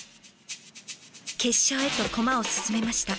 決勝へと駒を進めました。